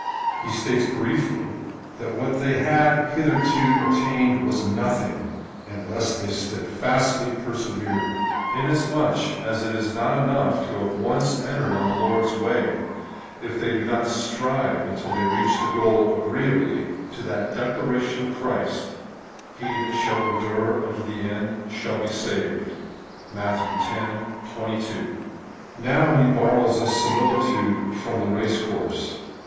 He states briefly, that what they had hitherto attained was nothing, unless they steadfastly persevered, inasmuch as it is not enough to have once entered on the Lord's way, if they do not strive until they reach the goal, agreeably to that declaration of Christ — He that shall endure imto the end, &c. (Matt. x. 22.) Now he borrows a similitude from the race course.